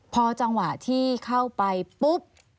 พอจังหวะที่เข้าไปปุ๊บ